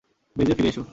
বেজে ফিরে এসো।